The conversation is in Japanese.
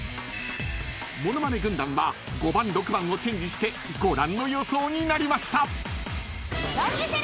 ［モノマネ軍団は５番６番をチェンジしてご覧の予想になりました］